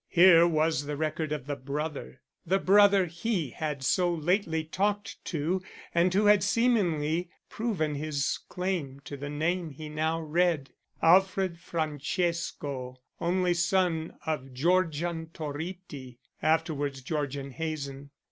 Here was the record of the brother; the brother he had so lately talked to and who had seemingly proven his claim to the name he now read: Alfred Francesco only son of Georgian Toritti afterwards Georgian Hazen.